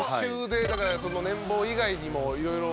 だから年俸以外にもいろいろ。